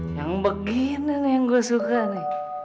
yang beginian yang gue suka nih